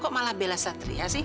kok malah bela satria sih